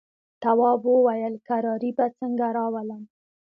تواب وويل: کراري به څنګه راولم.